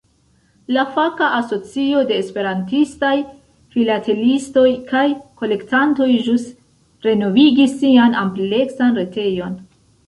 La faka asocio de esperantistaj filatelistoj kaj kolektantoj ĵus renovigis sian ampleksan retejon.